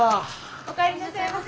お帰りなさいませ。